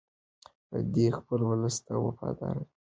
دی خپل ولس ته وفادار دی.